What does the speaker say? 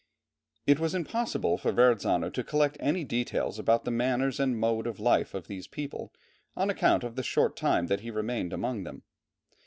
It was impossible for Verrazzano to collect any details about the manners and mode of life of these people, on account of the short time that he remained among them.